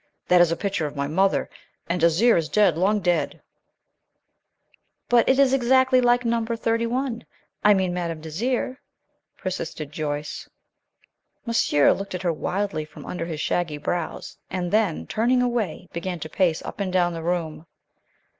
"That is a picture of my mother, and Désiré is dead; long dead." [Illustration: "'THAT'S NUMBER THIRTY ONE.'"] "But it is exactly like Number Thirty one, I mean Madame Désiré," persisted Joyce. Monsieur looked at her wildly from under his shaggy brows, and then, turning away, began to pace up and down the room.